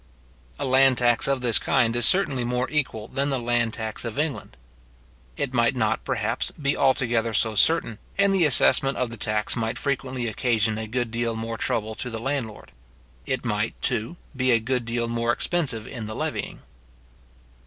A land tax of this kind is certainly more equal than the land tax of England. It might not, perhaps, be altogether so certain, and the assessment of the tax might frequently occasion a good deal more trouble to the landlord. It might, too, be a good deal more expensive in the levying.